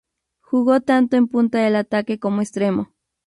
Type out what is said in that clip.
Jugó tanto en punta del ataque como extremo.